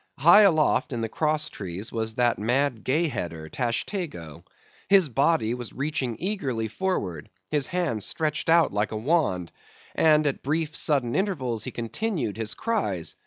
High aloft in the cross trees was that mad Gay Header, Tashtego. His body was reaching eagerly forward, his hand stretched out like a wand, and at brief sudden intervals he continued his cries.